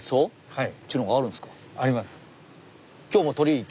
はい。